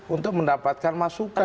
untuk mendapatkan masukan